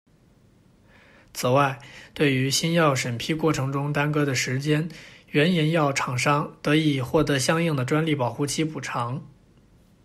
此外，对于新药审批过程中耽搁的时间，原研药厂商得以获得相应的专利保护期补偿。